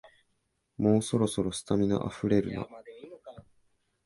もうそろそろ、スタミナあふれるな